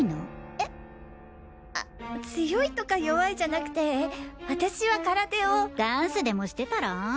えっ強いとか弱いじゃなくて私は空手をダンスでもしてたら？